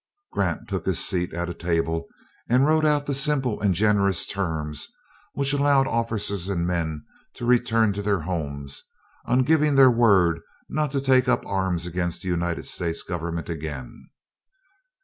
Grant took his seat at a table and wrote out the simple and generous terms which allowed officers and men to return to their homes, on giving their word not to take up arms against the United States government again.